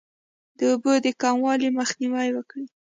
د اوبو د کموالي مخنیوی وکړئ.